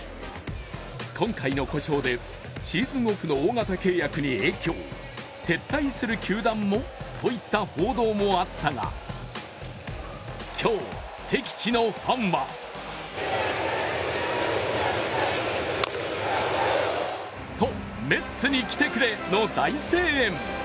今回の故障でシーズンオフの大型契約に影響、撤退する球団も？といった報道もあったが、今日、敵地のファンはメッツに来てくれの大声援。